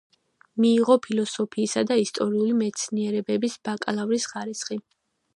მიიღო ფილოსოფიისა და ისტორიული მეცნიერებების ბაკალავრის ხარისხი.